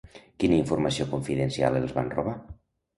Quina informació confidencial els van robar?